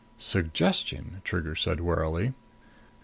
"Suggestion?" Trigger said warily.